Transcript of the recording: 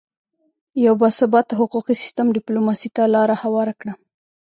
یو باثباته حقوقي سیستم ډیپلوماسي ته لاره هواره کړه